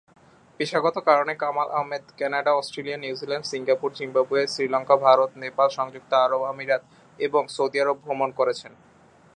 পেশাগত কারনে Kamal Ahmed Canada, Australia, New Zealand, Singapore, Zimbabwe, Sri Lanka, Bharat, Nepal, সংযুক্ত আরব আমিরাত এবং সৌদি আরব ভ্রমণ করেছেন।